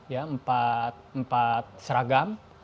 ya empat seragam